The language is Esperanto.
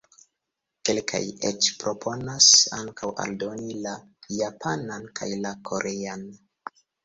Kelkaj eĉ proponas ankaŭ aldoni la Japanan kaj la Korean.